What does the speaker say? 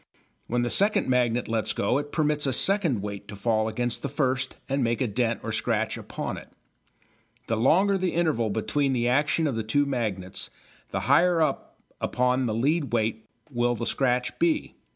When the second magnet lets go it permits a second weight to fall against the first and make a dent or scratch upon it. The longer the interval between the action of the two magnets the higher up upon the lead weight will the scratch be.